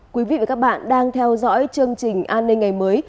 quý vị và các bạn đang theo dõi chương trình an ninh ngày mới